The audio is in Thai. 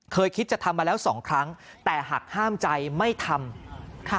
เคยคิดจะทำมาแล้วสองครั้งแต่หากห้ามใจไม่ทำค่ะ